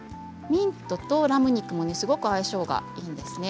ミントとラム肉もすごく相性がいいんですね。